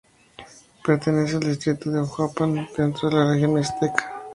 Pertenece al distrito de Huajuapan, dentro de la región mixteca.